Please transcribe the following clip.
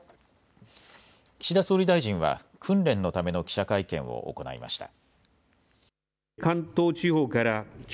岸田総理大臣は訓練のための記者会見を行いました。